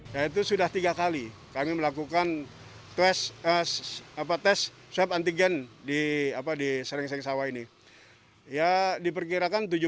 yaitu sudah tiga kali kami melakukan tes apa tes sub antigen di apa di sering sawah ini ya diperkirakan